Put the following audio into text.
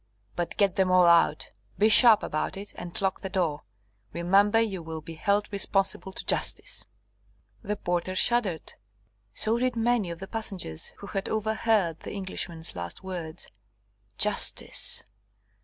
But get them all out. Be sharp about it; and lock the door. Remember you will be held responsible to justice." The porter shuddered, so did many of the passengers who had overheard the Englishman's last words. Justice!